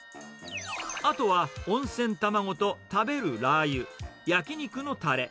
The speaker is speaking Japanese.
あとは温泉卵と食べるラー油、焼き肉のたれ。